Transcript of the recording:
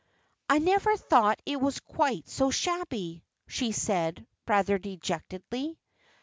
"I never thought it was quite so shabby," she said, rather dejectedly.